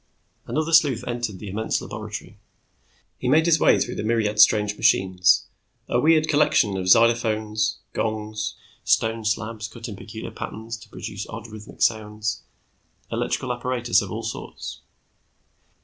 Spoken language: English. Another sleuth entered the immense laboratory. He made his way through the myriad strange machines, a weird collection of xylophones, gongs, stone slabs cut in peculiar patterns to produce odd rhythmic sounds, electrical apparatus of all sorts.